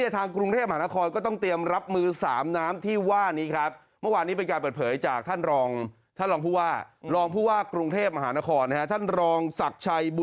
ทางกรุงเทพมหานครก็ต้องเตรียมรับมือ๓น้ำที่ว่านี้ครับ